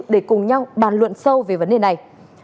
để cùng nhau bàn luận sâu về vấn đề này